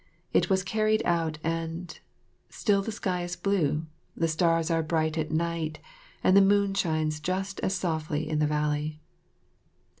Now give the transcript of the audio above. It was carried out and still the sky is blue, the stars are bright at night, and the moon shines just as softly on the valley.